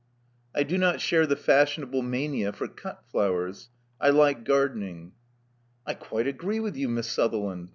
*' I do not share the fashionable mania for cut flowers. I like gardening." '*I quite agree with you, Miss Sutherland.